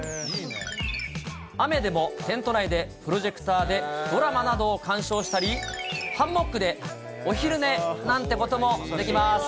雨でもテント内で、プロジェクターでドラマなどを鑑賞したり、ハンモックでお昼寝なんてこともできます。